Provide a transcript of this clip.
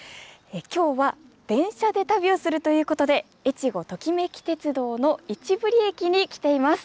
今日は電車で旅をするということでえちごトキめき鉄道の市振駅に来ています。